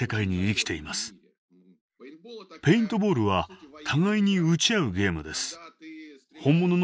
ペイントボールは互いに撃ち合うゲームです。